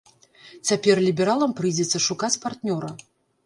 Цяпер лібералам прыйдзецца шукаць партнёра.